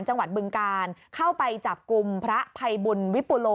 บึงการเข้าไปจับกลุ่มพระภัยบุญวิปุโล